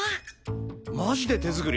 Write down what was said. マジで手作り？